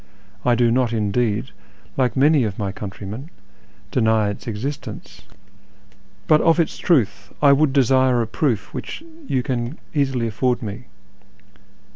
I do not, indeed, like many of my countrymen, deny its exist ence, but of its truth I would desire a proof which 570U can easily afford me.